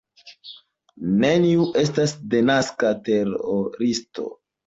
Neniu estas denaska teroristo.